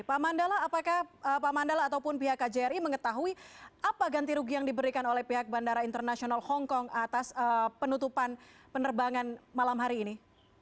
pak mandala apakah pak mandala ataupun pihak kjri mengetahui apa ganti rugi yang diberikan oleh pihak bandara internasional hongkong atas penutupan penerbangan malam hari ini